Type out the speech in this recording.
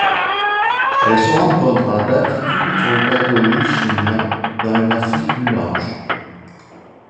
Elle se rencontre à d'altitude sur le plateau Lichenya dans le massif Mulanje.